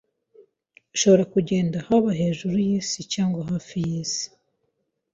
ishobora kugenda haba hejuru yisi cyangwa hafi yisi